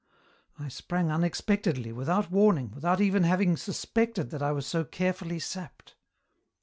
I sprang unexpectedly, without warning, without even having suspected that I was so carefully sapped.